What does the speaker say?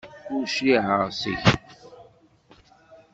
Ur cliɛeɣ ara seg-k.